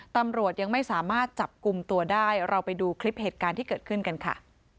ตำรวจยังไม่สามารถจับกลุ่มตัวได้เราไปดูคลิปเหตุการณ์ที่เกิดขึ้นกันค่ะ